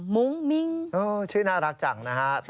มุ้งมิ้งชื่อน่ารักจังนะฮะ